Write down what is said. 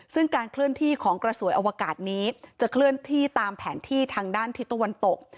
ซึ่งการเคลื่อนที่ของกระสวยอวกาศนี้จะเคลื่อนที่ตามแผนที่ทางด้านทิศตะวันตก